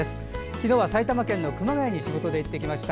昨日は埼玉県の熊谷に仕事で行ってきました。